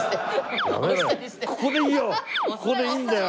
ここでいいんだよ。